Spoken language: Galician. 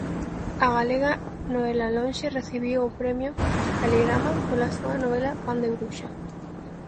A galega Noela Lonxe recibiu o premio Caligrama pola súa novela Pan de bruxa.